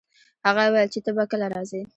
هغه وویل چي ته به کله راځي؟